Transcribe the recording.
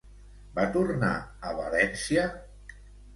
Va tornar a València?